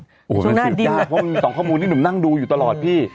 ช่วงหน้าดิวสองข้อมูลที่หนุ่มนั่งดูอยู่ตลอดพี่